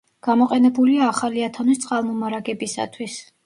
გამოყენებულია ახალი ათონის წყალმომარაგებისათვის.